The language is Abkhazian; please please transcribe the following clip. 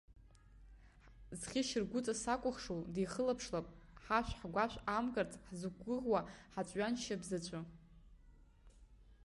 Зхьышьаргәыҵа сакәыхшоу дихылаԥшлап, ҳашә-гәашә амкырц ҳзықәгәыӷуа ҳаҵәҩаншьап заҵәы.